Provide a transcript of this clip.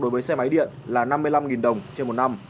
đối với xe máy điện là năm mươi năm đồng trên một năm